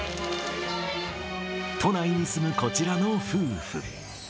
都内に住むこちらの夫婦。